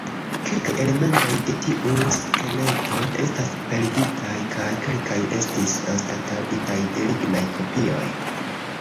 Kelkaj elementoj de tiu skeleto estas perditaj, kaj kelkaj estis anstataŭitaj de lignaj kopioj.